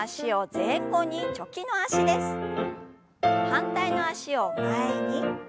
反対の脚を前に。